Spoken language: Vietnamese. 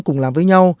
cùng làm với nhau